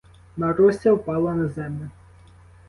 Маруся впала на землю.